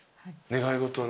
願い事は？